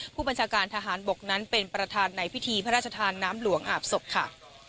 ผู้บัญชาการทหารบกนั้นเป็นประธานในพิธีพระราชทานน้ำหลวงอาบศพค่ะ